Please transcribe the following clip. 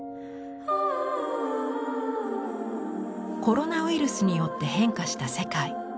コロナウイルスによって変化した世界。